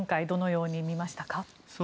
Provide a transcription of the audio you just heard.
どのように見ましたか？